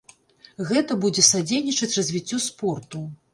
Гэта будзе садзейнічаць развіццю спорту.